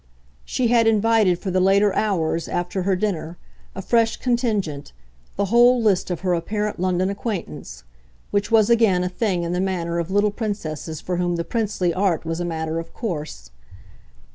She had invited for the later hours, after her dinner, a fresh contingent, the whole list of her apparent London acquaintance which was again a thing in the manner of little princesses for whom the princely art was a matter of course.